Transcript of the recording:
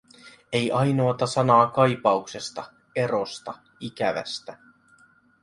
Ei ainoata sanaa kaipauksesta, erosta, ikävästä.